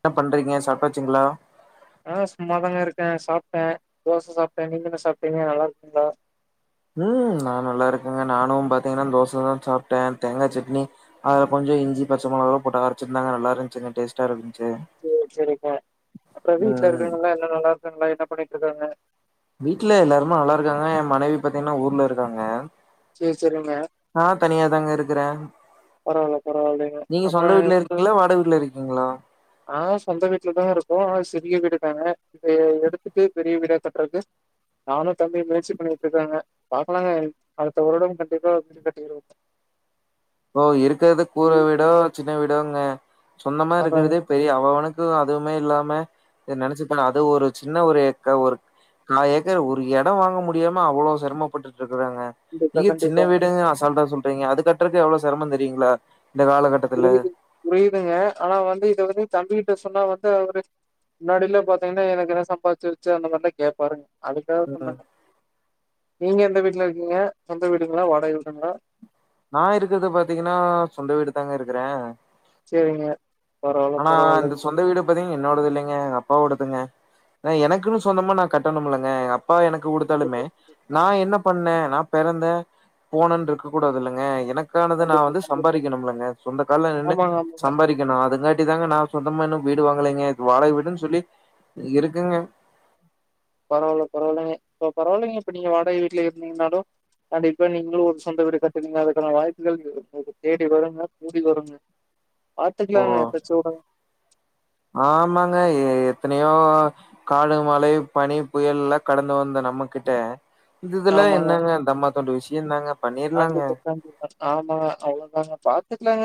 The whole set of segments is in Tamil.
என்ன பண்றீங்க சாப்டாச்சுங்களா ஆ சும்மாதாங்க இருக்கே சாப்பிட்டே தோச சாப்பிட்டே நீங்கென்ன சாப்ட்டீங்க நல்லா இருக்கீங்களா உம் நா நல்லா இருக்கேங்க நானும் பாத்தீங்கன்னா தோசதான் சாப்ட்டேன் தேங்கா சட்னி அதல கொஞ்சோ இஞ்சி பச்ச மெளகல்லா போட்டு அரச்சிருந்தாங்க நல்லா இருந்துச்சுங்க டேஸ்ட்டா இருந்துச்சு செரி செரிங்க அப்றோ வீட்ல ம் இருக்கங்கல்லா என்ன நல்லா இருக்கா‌ங்களா என்ன பண்ணிட்டு இருக்காங்க வீட்ல எல்லாருமே நல்லா இருக்காங்க ஏ மனைவி பாத்தீங்கன்னா ஊர்ல இருக்காங்க செர் செரிங்க ஆ தனியாதாங்க இருக்குறேன் பரவால்ல பரவால்லைங்க நீங்க அப்றோ சொந்த வீட்ல இருக்கீங்களா வாடக வீட்ல இருக்கீங்களா ஆ சொந்த வீட்ல தாங்க இருக்கோ ஆனா சிறிய வீடு தாங்க இப்ப எடுத்துட்டு பெரிய வீடா கட்டுறக்கு நானு தம்பியு முயற்சி பண்ணிட்டு இருக்கோங்க பாக்கலாங்க அடுத்த வருடோ கண்டிப்பா வீடு கட்டிருவோங்க ப்ரோ இருக்குறது கூர வீடோ சின்ன வீடோங்க சொந்தமா அதாங்க இருக்குறதே பெரிய அவே அவனுக்கு அதுவுமே இல்லாம நெனச்சுப்ப அது ஒரு சின்ன ஒரு ஏக்க ஒரு நா ஏக்கர் ஒரு இடோ வாங்க முடியாம அவ்ளோ சிரமப்பட்டுட்டு இருக்குறேங்க கண்டிப்பா நீங்க சின்ன கண்டிப்பாங்க வீடுனு அசால்டா சொல்றீங்க அது கட்டுறக்கே எவ்ளோ சிரமோ தெரியுங்களா இந்த கால கட் புரிது புரியுதுங்க ஆனா வந்து இத வந்து தம்பிகிட்ட சொன்னா வந்து அவுரு முன்னாடிலா பாத்தீங்கன்னா எனக்கு என்ன சம்பாதிச்சு வச்சு அந்த மாரிலாம் கேட்பாரு அதுக்காக ம் சொன்னேங்க நீங்க எந்த வீட்ல இருக்கீங்க சொந்த வீடுங்களா வாடக வீடுங்களா நா இருக்குறத பாத்தீங்கன்னா சொந்த வீடு தாங்க இருக்குறே சேரிங்க பரவால்ல ஆனா இந்த பரவால்லங்க சொந்த வீடு இப்பதைங் என்னோடது இல்லைங்க அப்பாவோடுதுங்க எனக்குனு சொந்தமா நா கட்டணு இல்லங்க எங அப் பா எனக்கு குடுத்தாலுமே கண்டிப்பா கண்டிப்பா நா என்ன பண்ணே நா பிறந்தே போனேனு இருக்க கூடாது இல்லே‌ங்க எனக்கு க்கானது நா கண்டிப்பா வந்து கண்டிப்பாங்க சம்பாரிக்கணுலம்ங்க சொந்த கால்ல நின்னு ஆமாங்க ஆமாங்க சம்பாரிக்கணு அதுங்காட்டி இதாங்க நா சொந்தமா இன்னும் வீடு வாங்கலங்கது வாடக வீடுன்னு சொல்லி இருக்குங்க பரவால்ல பரவால்லைங்க இப்ப பரவாயில்லைங்க இப்ப நீங்க வாடக வீட்டுல இருந்தீங்கன்னாலு அட இப்ப நீங்களும் ஒரு சொந்த வீடு கட்டறீங்க அதுக்கான வாய்ப்புகள் தேடி வருங்க கூடி வருங்க ஓ பாத்துக்கலாங்க பேச்சோடங் ஆமாங்க ஏ எத்னையோ காடு மலை பனி புயல் எல்லா கடந்து வந்த நம்ம கிட்ட இதுக்கெலலா ஆமாங்க என்னங்க தம்மாதுண்டு விஷ்யோந்தாங்க கண்டிப்பா கண்டிப்பா ஆமா அவ்ளோ தாங்க பாத்துக்குலாங்க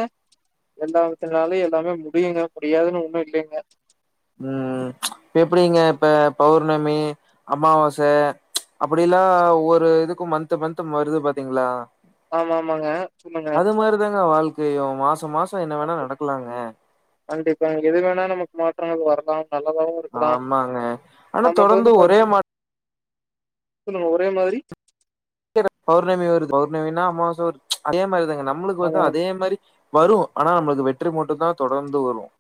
எல்லாருத்தினாலும் எல்லாமே முடியுங்க முடியாதுனு ஒண்ணு இல்லீங்க உம் எப்டிங்க இப்ப பௌர்ணமி அமாவாச அப்டிலா ஒரு இதுக்கும் மந்த் மந்த் வருது பாத்தீங்களா ஆமா ஆமாங்க சொல்லுங்க இதாங்க வாழ்க்கயு மாசம் மாசோ என்ன வேணா நடக்கலாங்க கண்டிப்பா எனக்கு எது வேணாலும் நமக்கு மாற்றங்கள் வரலாம் நல்லதாவும் இருக்கலாம் ஆமாங்க ஆனா நமக்கு தொடர்ந்து வந்து பா ஒரே மா சொல்லுங்க ஒரே மாரி பௌர்ணமி வருது பௌர்ணமினா அமாவாச வருது அதே மாரி தாங்க நம்முளுக்கு வருதா ஆமா. அதே மாரி வரும் ஆனா நம்முளுக்கு வெற்றி மட்டு தா தொடர்ந்து வரும்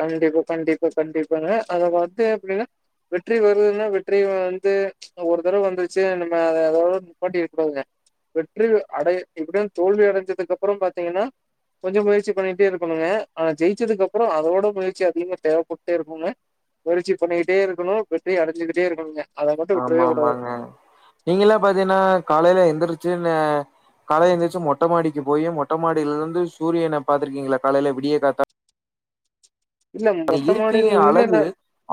கண்டிப்பா கண்டிப்பா கண்டிப்பாங்க அது வந்து எப்டினா வெற்றி வருதுனா வெற்றி வந்து ஒரு தடவ வந்துருச்சு நம்ம அதோட நிப்பாட்டிட கூடாதுங்க வெற்றி அடை எப்டியு தோல்வி அடைஞ்சதுக்கு அப்றோ பாத்தீங்கன்னா கொஞ்சோ முயற்சி பண்ணிட்டே இருக்கணுங்க ஆனா ஜெிச்சதுக்குப்புறோ அதோட முயற்சி அதிகமா தேவ பட்டுட்டே இருக்குங்க முயற்சி பண்ணிக்கிட்டே இருக்கணும் வெற்றி அடைஞ்சகிட்டே இருக்கணுங்க அத மட்டும் ஆமா விட்டுறவே கூடாது. ஆமாங்க நீங்கல்லாம் பாத்தீங்கன்னா காலைல எந்துருச்சு காலை எந்திருச்சு மொட்டமாடிக்கு போயி மொட்ட மாடில இருந்து சூரியன பாத்துருக்கீங்களா காலைல விடிய காத்தால இல்ல அது மொட்ட மாடியில இருக்கைய நின்னு நா அழகு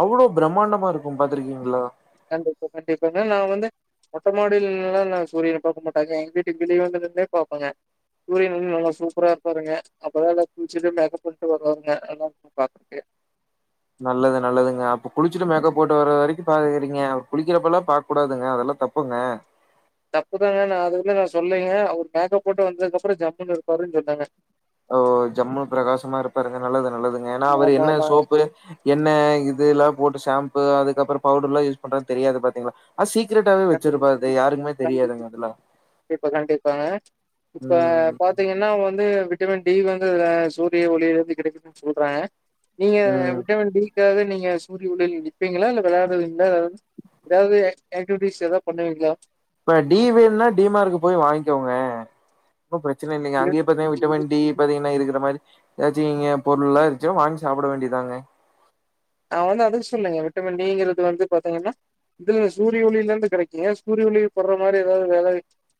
அவ்ளோ பிரமாண்டமா இருக்கு பாத்துருக்கீங்களா கண்டிப்பா கண்டிப்பாங்க நா வந்து மொட்ட மாடில நின்னுலா நாங்க சூரியன பாக்க மாட்டோங்க எங்க வீட்டுக்கு வெளிய வந்து நின்னே பாப்போங்க சூரியன் வந்து நல்லா சூப்பரா இருப்பாருங்க அப்பதா எல்லா குளிச்சிட்டு மேக்கப் பண்ணிட்டு வருவாங்க பாக்க நல்லது நல்லதுங்க அப்ப குளிச்சுட்டு மேக்கப் போட்டு வர வரைக்கும் பாக்குறீங்க அவர் குளிக்கறப்பலாம் பாக்ககூடாதுங்க அதெல்லாம் தப் புங்க தப்புதாங்க நா அதுக்குனு நா சொல்லங்க அவர் மேக்கப் போட்டு வந்ததுக்கப்புறோ ஜம்முனு இருப்பாருன்னு சொன்னங்க ஓ ஜம்மு பிரகாசமா இருப்பாருங்க நல்லது நல்லதுங்க ஏன்னா அவரு ஆமா என்ன ஆமா. சோப்பு என்ன இதுல்லா போட்டு ஷாம்பு அதுக்கப்பறம் பவுடர்லாம் யூஸ் பன்றார்னு தெரியாது பாத்தீங்களா அ சீரெட்டாவே கண்டிப்பா வச்சிருப்பாது யாருக்குமே தெரியாதுங்க அதுல கண்டிப்ப கண்டிப்பாங்க இப்ப ம் பாத்தீங்கன்னா என்னா வந்து விட்டமின் டி வந்து அ சூரிய ஒளிலந்து கெடைக்குதுன்னு சொல்றாங்க நீங்க ம் விட்டமின் டி ரெண்டாவது நீங்க சூரிய ஒளில நிப்பீங்களா இல்ல விளையாடுறது இல்ல ஏதாவது பியூட்டிஷ் ஏத பண்ணுவீங்களா இப்ப டி வேண்னா டி மார்ட் போய் வாங்கிக்கோங்க இப்ப பிரச்சன இல்லிங்க நா அங்கேயே பாத்தீங் விட்டமின் டி பாத்தீங்கன்னா இருக்கற மாரி ஏதாச்சும்ங்க பொருள்ல்லா இருச்ச வாங்கி சாப்ட வேண்டிதாங்க நான் வந்து அதுக்கு சொல்லுங்க விட்டமின் டிங்கறது வந்து பாத்தீங்கன்னா இதுல சூரிய ஒளிலந்து கடைக்குங்க சூரிய ஒளி படற மாரி ஏதாவது வேல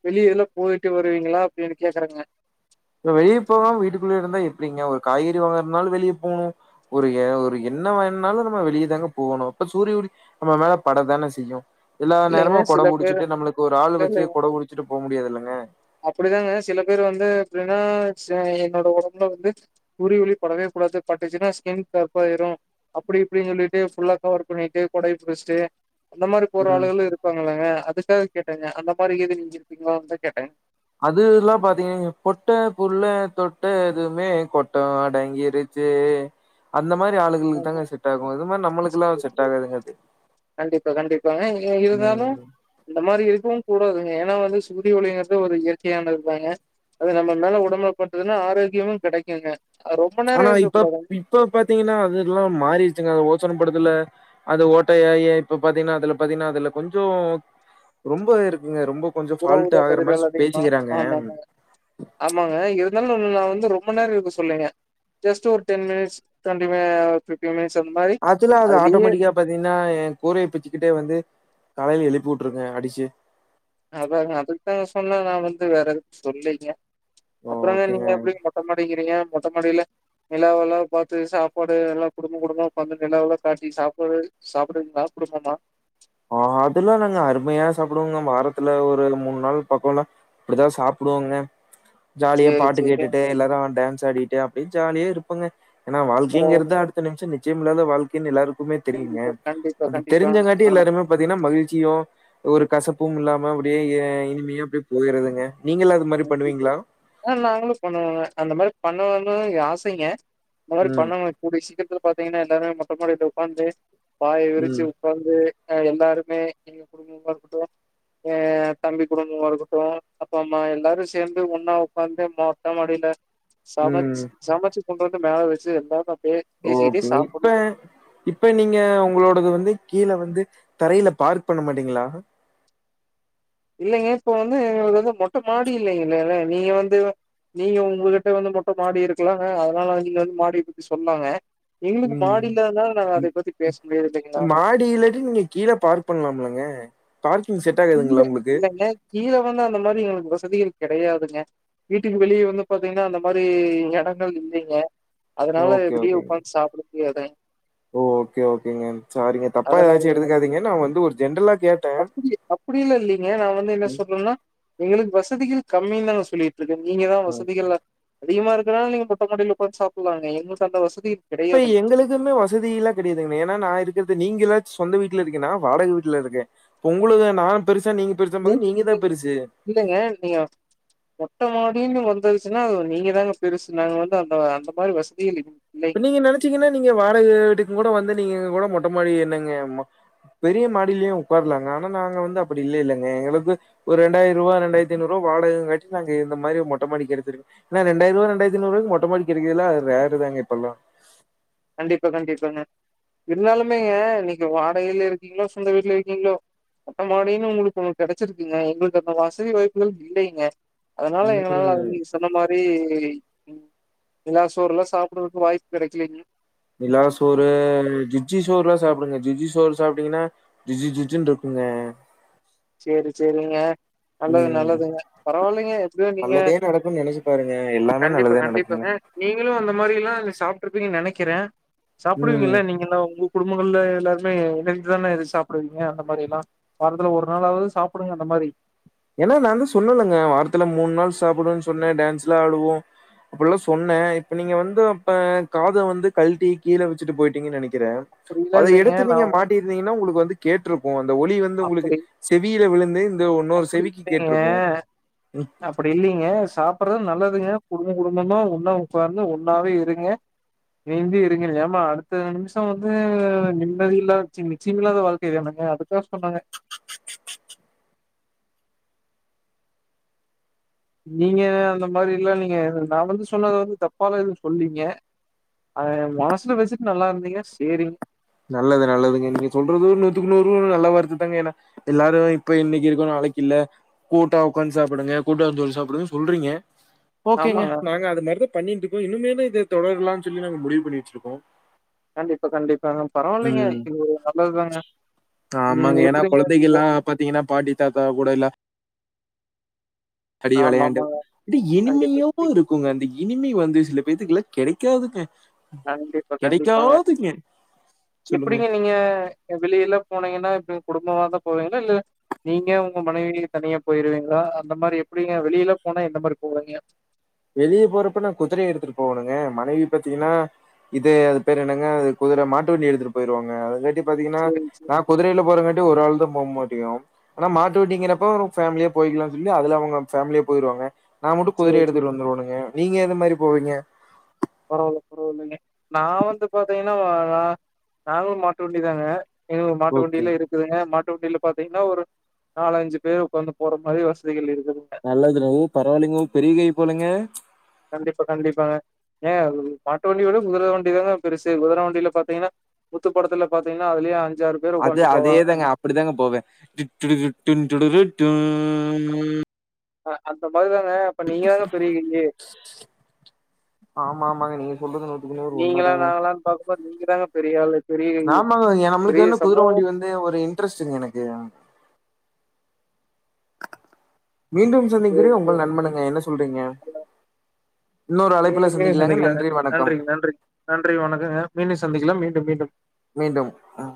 வெளிய எதுல போயிட்டு வருவீங்களா அப்டின்னு கேக்கறேங்க வெளிய போகாம வீட்டுக்குள்ளே இருந்தா எப்டிங்க ஒரு காய்கறி வாங்கறனாலும் வெளிய போணும் ஒரு எ ஒரு என்ன வேனாலும் நம்ம வெளிய தாங்க போணும் அப்ப சூரிய ஒளி நம்ம மேல பட தான செய்யும் எல்லா இல்லைங்க நேரமும் கொட சில பேர் புடிச்சிட்டு நம்முளுக்கு ஒரு ஆள் இல்ல வச்சு இல்லைங்க குட புடிச்சிட்டு போ முடியாது இல்லங்க அப்டிதாங்க சில பேரு வந்து எப்டினா ச என்னோட ஒடம்புல வந்து சூரிய ஒளி படவே கூடாது பட்டுச்சுன்னா ஸ்கின் கருப்பாயிரும் அப்டி இப்டின்னு சொல்லிட்டு ஃபுல்லா கவர் பண்ணிட்டு கொடைய புடிச்ட்டு அந்த மாரி ம் ஆளுகளும் இருப்பாங்க இல்லங்க அதுக்காக கேட்டங்க அந்த மாரி ஏது நீங்க இருப்பீங்களோான் கேட்ட அதுல்லா பாத்தீங்க பொட்ட புள்ள தொட்டதுமே கொட்டம் அடங்கிருச்சே அந்த மாரி ஆளுகளுக்கு தாங்க செட் ஆகும் இது மாரி நம்மளுக்கல்லாம் செட் ஆகாதுங்க அது கண்டிப்பா கண்டிப்பாங்க எ இருந்தாலும் ம் அந்த மாரி இருக்கவும் கூடாதுங்க ஏன்னா வந்து சூரிய ஒளிங்கறது ஒரு இயற்கையானதாங்க அது நம்ம மேல உடம்பல பட்டதுனா ஆரோக்கியமும் கிடைக்குங்க ஆனா இப்ப இப்ப பாத்தீங்கன்னா அதுல்லா மாறிருச்சுங்க அத ஓசோன்ப்படுதுல அது ஓட்டையாயி இப்ப பாத்தீங்கனா அதுல கொஞ்சோ ரொம்ப இருக்குங்க ரொம்போ கொஞ்சோ புற ஃபால்ட் ஊதா ஆகுற மாரி கதிர்கள் அதிகமா பேசிக்கிறாங்க ஆமா ஆமா ஆமாங்க இருந்தாலு நா வந்து ரொம்ப நேரோ இருக்க சொல்லங்க ஜஸ்ட்டு ஒரு ten minutes twenty minutes fifteen minutes அந் மாதிரி அதுல அது அதுலயே ஆட்டோமேட்டிக்கா பாத்தீங்கன்னா என் கூரைய பிச்சுக்கிட்டே வந்து கலையையில எழுப்பி விட்ருங்க அடிச்சி அதாங்க அதுக்குதாங்க சொன்னா நா வந்து வேற எது சொல்லீங்க அப்புறக ஓகேங்க நீங்க எப்டி தம் அடிக்கிறீங்க மொட்ட மாடியில நிலாவெல்லா பாத்து சாப்பாடு நல்லா குடும்ப குடும்ப உக்காந்து நிலாவல்லா காட்டி சாப்பாடு சாப்டுவிங்களா குடும்பமா ஆ அதுல்லா நாங்க அருமையா சாப்புடுவோங்க வாரத்துல ஒரு மூணு நாள் பக்கோலா அப்டிதா சாப்புடுவோங்க ஜாலியா சேரி பாட்டு சேரி கேட்டுட்டு எல்லாரு டான்ஸ் ஆடிட்டு அப்டியே ஜாலியா இருப்பங்க ஏனா பரவால்ல வாழ்க்கைங்கிறது அடுத் த நிம்ஷோ நிச்சயமில்லாத வாழ்க்கைன் எல்லாருக்குமே தெரியுங்க கண்டிப்பா, கண்டிப்பா, அது கண்டிப்பா. தெரிஞ்சங்காட்டி ஆமா, எல்லாருமே பாத்தீங்கன்னா மகிழ்ச்சியோ ஒரு கசப்பும் இல்லாம அப்டியே இனிமையா அப்டியே போயிறதுங்க நீங்களா அது மாதிரி கண்டிப்பா. பண்ணுவீங்களா ஆ நாங்களு பண்ணுவோங்க அந்த மாதிரி பண்ணுன்னு ஆசைங்க அந்த மாரி ம், பண்ணுங்க கூடிய சீக்கிரத்துல பாத்தீங்கனா எல்லாரும் மொட்டமொடில உக்கார்ந்து பாய் விரிச்சு ம், இப்ப வந்து எல்லாருமே எங்க குடும்பமா இருக்கட்டு எ தம்பி குடும்பமா இருக்கட்டு அப்பா அம் மா எல்லாரு சேந்து ஒன்னா உக்காந்து மொட்ட மாடியில சமச் ம். சமச்சி கொண்டு வந்து மேல வெச்சி எல்லாரு அப்டியே ஓகேங்க இப்ப இப் ப நீங்க உங்களோடது வந்து கீழ வந்து தரையில பார்க் பண்ண மாட்டீங்களா இல்லைங்க இப்ப வந்து எங்களுது வந்து மொட்ட மாடி இல்லைங்கல்ல நீங்க வந்து நீங்க உங்ககிட்ட வந்து மொட்ட மாடி இருக்கலாங்க அதனால நீங்க வந்து மாடிய பத்தி சொல்லாங்க எங்ளுக்கு ம். மாடி இல்லாதனால நாங்க அதை ம். பத்தி பேச முடியாது இல்லைங்களா மாடி இல்லாட்டி நீங்க கீழ பார்க் பண்லாம் இல்லங்க பார்க்கிங் செட்டாயி கீழ இல்லங்க கீழ வந்து அந்த மாதிரி எங்களுக்கு வசதிகள் கெடையாதுங்க வீட்டுக்கு வெளியே வந்து பாத்தீங்கன்னா அந்த மாரி எடங்கள் இல்லைங்க அதனால வெளியே உக்காந்து சாப்ட முடியாது ஓ ஓகே ஓகேங்க சாரீங்க தப்பா அதனால ஏதாச்சு எடுத்துக்காதீங்க நா வந்து ஒரு ஜென்ரலா கேட்ட அப்பிடில்லா இல்லைங்க நா வந்து என்ன சொல்றன்னா எங்களுக்கு வசதிகள் கம்மினு தாங்க சொல்லிருக் க்கு நீங்க தா ஆ. வசதிகள் அதிகமா இருக்கனால நீங்க மொட்ட மாடில ஒக்காந்து சாப்டலாங்க எங்ளுக்கு அந்த வசதி இப்ப கிடையாதுங்க. எங்ளுக் க்குமே வசதியெல்லா கெடையாதுங்கு ஏன்னா நா இருக்கறது நீங்கலாச்சு சொந்த வீட்ல இருக்கீங்க நா வாடக வீட்ல இருக்கே உங்குளுது நா பெருசா நீங்க பெருசான்னு பாக்க நீங்க தான் பெருசு. இல்லைங்க நீங்க மொட்ட மாடின்னு வந்துருச்சுன்னா அது நீங்க தாங்க பெருசு நாங்க வந்து அந்த அந்த மாதிரி வசதி இப்ப நீங்க நெனச்சீங்கன்னா நீங்க வாடக வீட்டுக்கு கூட வந்து நீங்க கூட மொட்ட மாடி என்னங்க பெரிய மாடிலியு உக்காரலாங்க ஆனா நாங்க வந்து அப்டி இல்லேலங்க எங்களுக்கு ஒரு இரண்டாயிர ருவா ரெண்டாயிரத்து ஐநூரூ வாயக காட்டி நாங்க இந்த மாதிரி மாடிக் எடுதிருக் ஏனா ரெண்டாயிர ரூவா ரெண்டாய்ரூவா ரெண்டாயிரத்தைநூறுவாக்கு மொட்டமாடிக் கெடகலல்லா ரேரு தாங்க இப்பல்லா கண்டிப்பா கண்டிப்பாங்க இருந்தாலுமேங்க நீங்க வாடகையில இருக்கீங்ளோ சொந்த வீட்ல இருக்கீங்ளோ மொட்ட மாடின்னு உங்களுக்கு ஒண்ணு கெடச்சிருக்குங்க எங்களுக்கு அந்த வசதி வாய்ப்புகள் இல்லைங்க அதனால எங்களனால அது ம். யூஸ் சொன்ன மாரி நிலாசோறுலா சாப்டுறதுக்கு வாய்ப்பு கிடைக்கலங்க நிலா சோறு ஜிஜ்ஜி சோறு லா சாப்பிடுங்க ஜிஜ்ஜி சோறு சாப்பிட்டீங்கன்னா ஜுஜ்ஜு ஜுஜ்னுடுருக்குங்க சேரி சேரிங்க நல்லது ம். நல்லதுங்க பரவாலைங்க எப்டியோ நீங்க நல்லதே நடக்குன்னு நெனச்சு பாருங்க எல்லாமே கண்டிப்பா நல்லதே நடக்குங்க கண்டிப்பாங்க நீங்களு அந்த மாரி எல்லா சாப்ட்டுருப்பீங்க நெனைக்கிற ம் சாப்டுவீங்கல்ல நீங்க எல்லா உப்பு குடும்பங்கள்ல எல்லாருமே இணைந்துதான இது சாப்டுவீங்க அந்த மாரி எல்லா வாரத்துல ஒரு நாளாவது சாப்டுங்க அந்த மாரி ஏன்னா நா தா சொன்னலங்க வாரத்துல மூணு நாள் சாப்டுவோன்னு சொன்ன டேன்ஸ்லா ஆடுவோ அப்டில்லா சொன்ன இப்ப நீங்க வந்து அப்ப காத வந்து கழட்டி கீழ வச்சுட்டு போயிட்டீங்கன்னு நெனைக்கிற அப்டிலா அத இல்லைங்க எடுத்து நா நீங்க மாட்டிருந்தீங்கன்னா உங்களுக்கு வந்து கேட்டுருக்கு அந்த ஒலி வந்து உங்களுக்கு அப்டி செவியில விழுந்து இந்த ஒன்னொரு அப்டி செவிக்கு இல்லைங்க கேட்டுருக்கு அப்டி இல்லைங்க சாப்டறது நல்லதுங்க குடும்ப குடும்பமா ஒண்ணா உட்காந்து ஒன்னாவே இருங்க சேந்து இருங்க ஏமா அடுத்த நிம்ஷம் வந்து நிம்மதி இல்லாத சி நிச்சியம் இல்லாத வாழ்க்க என்னங்க அதுக் தா சொன்னாங்க நீங்க அந்த மாரிலா இல்லைங்க நா வந்து சொன்னது வந்து தப்பால எது சொல்லைங்க அதய மனசுல வச்சுட்டு நல்லா இருந்தீங்கனா சேரிங் நல்லது நல்லதுங்க நீங்க சொல்றது நூத்துக்கு நூறு நல்லா வார்த்ததாங்க ஏன்னா எல்லாரு இப்ப இன்னைக்கு இருக்கோ நாளைக்கு இல்ல கூட்டா ஒக்காந்து சாப்டுங்க கூட்டாஞ்சோறு சாப்டுங்க சொல்றீங்க ஓகேங்க ஆமாங்க. நாங்க அது மாரிதா பண்ணிட்டு இருக்கோ இன்னுமேலு இத தொடரலாம்னு சொல்லி நாங்க முடிவு பண்ணி வச்சுருக்கோ கண்டிப்பா கண்டிப்பா பரவால்லைங்க ம் இது நல்லது தாங்க ம் ஆமாங்க ஏன்னா எப்டிங்க குழந்தைகள்லாம் பாத்தீங்கன்னா பாட்டி தாத்தா கூடலா அடி வெளையாண்டு ஆமாமாங்க. அப்டி கண்டிப்பா, இனிமையாவோ கண்டிப்பா. இருக்குங்க அந்த இனிமே வந்து சில பேத்துக்கெல்லா கெடைக்காதுங்க கண்டிப்பா கண்டிப்பாங்க சொல்லுங்க எப்டிங்க நீங்க வெளிய எல்லா போனீங்கன்னா இப்ப குடும்பமாதா போவீங்ளா இல்ல நீங்க உங்க மனைவி தனியா போய்ருவீங்ளா அந்த மாரி எப்டிங்க வெளில போனா எந்த மாரி போவைங்க வெளிய போறப்ப நா குதுரைய எடுத்துட்டு போவணுங்க மனைவி பாத்தீங்கன்னா இது அது பேர் என்னங்க அது குதுர மாட்டு வண்டி எடுத்துட்டு போயிருவங்க அததுட்டி பாத்தீங்கன்னா சேரி, சேரி, ந குதுரைல போறங்காட்டி ஒரு ஆள் தா போமுடியு ஆனா மாட்டு வட்டீங்கிறப்போ ஃபேமிலியா போயிக்கலானு சொல்லி அதுல அவுங்க பேமிலியா போயிருவாங்க நா மட்டு சேரி, குதிரைய சேரி. எடுத்துட்டு வந்துரோணுங்க நீங்க எந்த மாரி போவீங்க பரவால்ல பரவாலங்க நா வந்து பாத்தீங்கன்னா நாங்களு மாட்டு வண்டிதாங்க இன்னொரு மாட்டு ஓகே. வண்டியிலா இருக் இருக்குதுங்க மாட்டு வண்டில பாத்தீங்ன்னா ஒரு நாலஞ்சு பேர் உக்காந்து போற மாரி வசதிகள் இருக்குதுங்க நல்லதுதாங்க பரவாயில்லைங்க பெரிய கை போலங்க கண்டிப்பா கண்டிப்பாங்க ஏங்க மாட்டு வண்டிோட குதுர வண்டி தாங்க பெருசு குதுர வண்டியில பாத்தீங்கன்னா முத்து படத்துல பாத்தீங்கன்னா அதுலயே அஞ்சாறு அது அதே தாங்க அப்படிதாங்க போவ டிட்டுடுடுட்டூன் டுடுடுன்ட்டுட்டு அ அந்த மாரி தாங்க அப்ப நீங்க தாங்க பெரிய கையி ஆமா ஆமாங்க நீங்க சொல்றது நூத்துக்கு நூறு நீங்களா, உண்மதாங்க நாங்களான்னு பாக்கும்போது நீங்க தாங்க பெரிய ஆளு. பெரிய கையி. ஆமாங்க எ நம்ளுக்கு பெரிய வந்து குதுர சமூகம் வண்டி வந்து ஒரு இன்ட்ரெஸ்டுங்க எனக்கு மீண்டும் சந்திக்கிற பேர் உங்கள் பேர். நண்பனுங்க என்ன சொல்றீங்க இன்னொரு அழைப்புல மீண்டும், மீண்டும் சந்திக்கலாங்க நன்றி வணக்கம் நன்றிங்க, நன்றி நன்றி வணக்கங்க மீண்டு சந்திக்கலா மீண்டும் மீண்டும் மீண்டும் அ